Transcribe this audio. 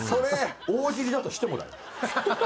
大喜利だとしてもだよ。